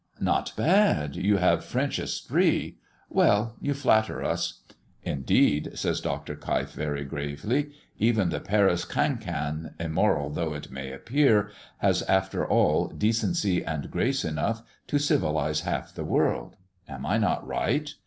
"Not bad; you have French esprit. Well, you flatter us." "Indeed," says Dr. Keif, very gravely. "Even the Paris Cancan, immoral though it may appear, has, after all, decency and grace enough to civilise half the world. Am I not right?